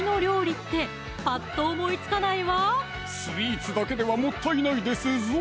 スイーツだけではもったいないですぞ